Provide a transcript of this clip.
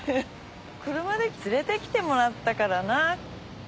車で連れてきてもらったからな。